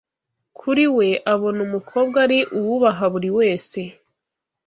Kuri we abona umukobwa ari uwubaha buri wese